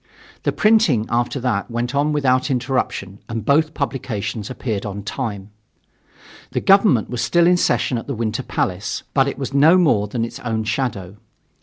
The printing, after that, went on without interruption and both publications appeared on time. The government was still in session at the Winter Palace, but it was no more than its own shadow.